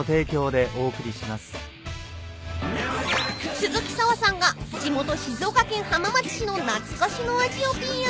［鈴木砂羽さんが地元静岡県浜松市の懐かしの味をＰＲ］